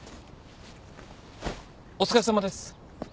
お疲れさまです。